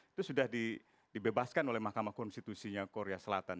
itu sudah dibebaskan oleh mahkamah konstitusinya korea selatan